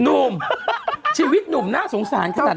หนุ่มชีวิตหนุ่มน่าสงสารขนาดนั้น